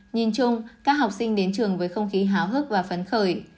nhìn chung các học sinh đến trường với không khí háo hức và phấn khởi